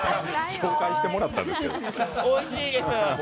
紹介してもらったんですけど。